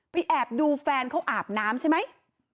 แอบดูแฟนเขาอาบน้ำใช่ไหม